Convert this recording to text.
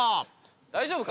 大丈夫か？